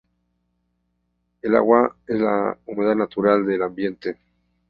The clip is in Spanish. El agua es la humedad natural del ambiente.